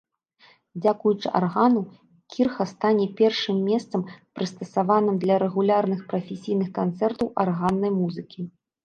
Дзякуючы аргану кірха стане першым месцам прыстасаваным для рэгулярных прафесійных канцэртаў арганнай музыкі.